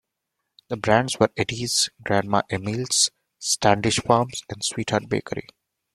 The brands were Eddy's, Grandma Emile's, Standish Farms and Sweetheart Bakery.